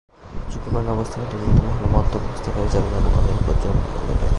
ঝুঁকিপূর্ণ অবস্থার মধ্যে অন্যতম হলো মদ্যপ অবস্থায় গাড়ি চালানো ও অনিরাপদ যৌনমিলন।